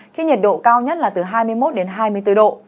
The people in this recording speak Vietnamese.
khi nhiệt độ cao nhất là từ hai mươi một đến hai mươi bốn độ